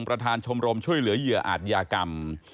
ประธานชมรมช่วยเหลือเหยื่ออาจยากรรม